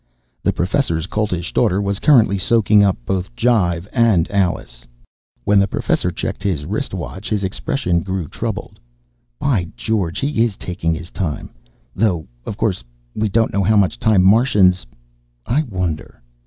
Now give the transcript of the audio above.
The Professor's Coltish Daughter was currently soaking up both jive and Alice. When the Professor checked his wristwatch, his expression grew troubled. "By George, he is taking his time! Though, of course, we don't know how much time Martians ... I wonder."